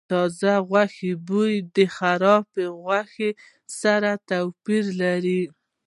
د تازه غوښې بوی د خرابې غوښې سره توپیر لري.